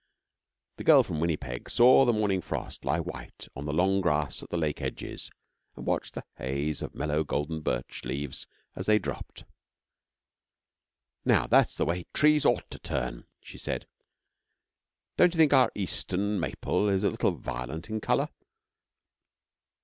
The girl from Winnipeg saw the morning frost lie white on the long grass at the lake edges, and watched the haze of mellow golden birch leaves as they dropped. 'Now that's the way trees ought to turn,' she said. 'Don't you think our Eastern maple is a little violent in colour?'